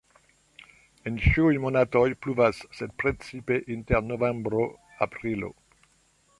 En ĉiuj monatoj pluvas, sed precipe inter novembro-aprilo.